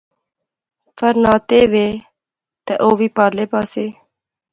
فیر ناطے وہے تہ او وی پارلے پاسے